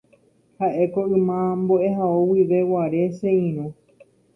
Ha'éko yma mbo'ehao guive guare che irũ.